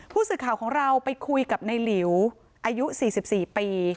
ผู้สื่อข่าวของเราไปคุยกับในหลิวอายุ๔๔ปี